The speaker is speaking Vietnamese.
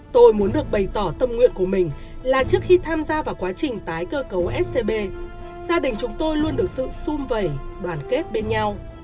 tôi muốn được bày tỏ tâm nguyện của mình là trước khi tham gia vào quá trình tái cơ cấu scb gia đình chúng tôi luôn được sự xung vẩy đoàn kết bên nhau